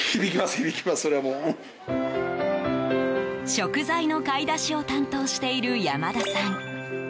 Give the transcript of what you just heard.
食材の買い出しを担当している山田さん。